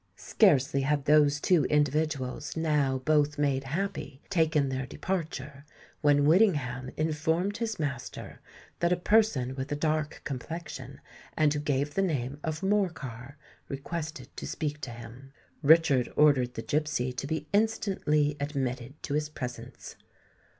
Scarcely had those two individuals, now both made happy, taken their departure, when Whittingham informed his master that a person with a dark complexion, and who gave the name of Morcar, requested to speak to him. Richard ordered the gipsy to be instantly admitted to his presence.